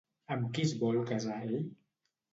Amb qui es vol casar ell?